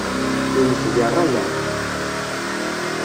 Iwwet di rrayeɛ.